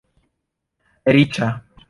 riĉa